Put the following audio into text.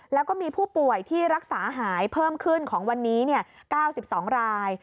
แล้วก็มีผู้ป่วยที่รักษาหายเพิ่มขึ้นของวันนี้๙๒ราย